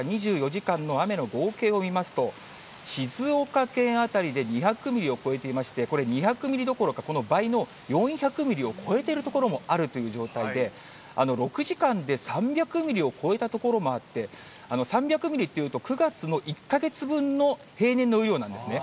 ２４時間の雨の合計を見ますと、静岡県辺りで２００ミリを超えていまして、これ、２００ミリどころか、この倍の４００ミリを超えている所もあるという状態で、６時間で３００ミリを超えた所もあって、３００ミリというと、９月の１か月分の平年の雨量なんですね。